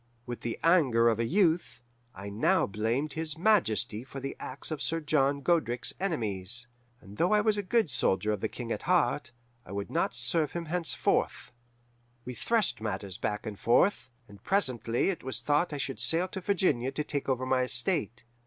With the anger of a youth, I now blamed his Majesty for the acts of Sir John Godric's enemies. And though I was a good soldier of the King at heart, I would not serve him henceforth. We threshed matters back and forth, and presently it was thought I should sail to Virginia to take over my estate.